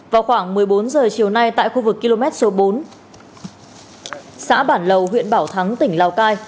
vào khoảng một mươi bốn h chiều nay tại khu vực km số bốn xã bản lầu huyện bảo thắng tỉnh lào cai